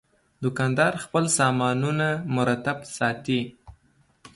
دوکاندار خپل سامانونه مرتب ساتي.